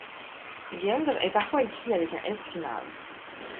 Gueldre est parfois écrit avec un S final.